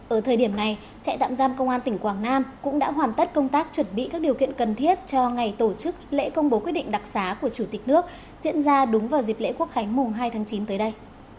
ở thời điểm này trại tạm giam công an tỉnh quảng nam cũng đã hoàn tất công tác chuẩn bị các điều kiện cần thiết cho ngày tổ chức lễ công bố quyết định đặc xá của chủ tịch nước diễn ra đúng vào dịp lễ quốc khánh mùng hai tháng chín tới đây